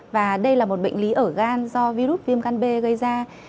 và đây là một bệnh lý ở gan do virus viêm gan b gây ra